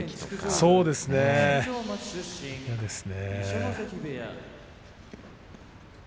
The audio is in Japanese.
そうですね、嫌ですね。